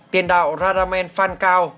tiền đạo radamen phan cao